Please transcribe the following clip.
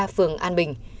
phường an bình